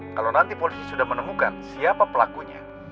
kalau nanti polisi sudah menemukan siapa pelakunya